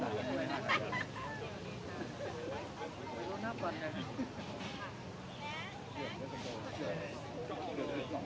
ให้ใครเล่าในหน้าศาสตร์ที่เรียนในใครเล่าหน้าศาสตร์ของเวชเซ็นต์